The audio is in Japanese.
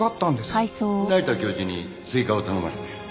成田教授に追加を頼まれて。